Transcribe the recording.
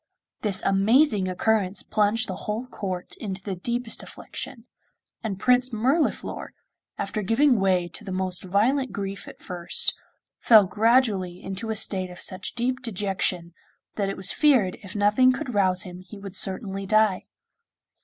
This amazing occurrence plunged the whole court into the deepest affliction, and Prince Mirliflor, after giving way to the most violent grief at first, fell gradually into a state of such deep dejection that it was feared if nothing could rouse him he would certainly die.